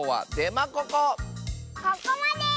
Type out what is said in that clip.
ここまで！